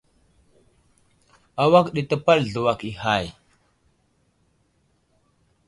Awak di təpaɗ zluwak i hay.